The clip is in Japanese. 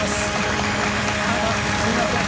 すいません。